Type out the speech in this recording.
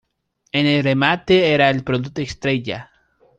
En el remate era el producto estrella.